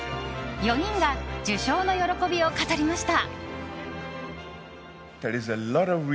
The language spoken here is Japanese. ４人が受賞の喜びを語りました。